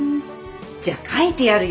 じゃ書いてやるよ